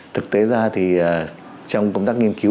thực tế ra thì trong công tác nghiên cứu